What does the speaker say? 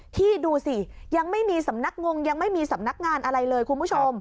ที่ดูสิยังไม่มีสำนักงงยังไม่มีสำนักงานอะไรเลยคุณผู้ชม